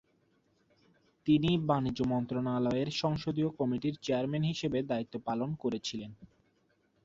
তিনি বাণিজ্য মন্ত্রণালয়ের সংসদীয় কমিটির চেয়ারম্যান হিসেবে দায়িত্ব পালন করেছিলেন।